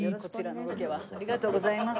ありがとうございます。